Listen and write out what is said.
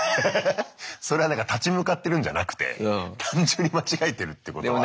それはなんか立ち向かってるんじゃなくて単純に間違えてるってことはあったね。